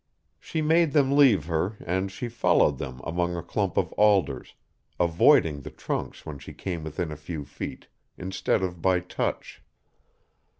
She made them leave her and she followed them among a clump of alders, avoiding the trunks when she came within a few feet, instead of by touch.